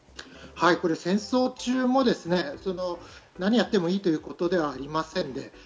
戦争中も何をやってもいいという事ではありません。